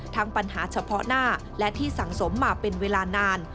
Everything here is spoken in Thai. ปัญหาเฉพาะหน้าและที่สังสมมาเป็นเวลานาน